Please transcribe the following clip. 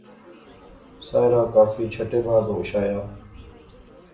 ساحرہ کافی چھٹے بعد ہوش آیا